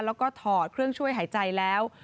แล้วก็ถอดเครื่องช่วยหายใจแล้ว